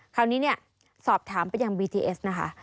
คราวนี้เนี่ยสอบถามไปยังบีทีเอสนะคะ